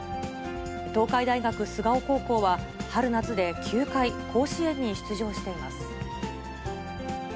東海大学菅生高校は、春夏で９回甲子園に出場しています。